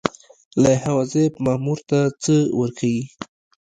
لایحه وظایف مامور ته څه ورښيي؟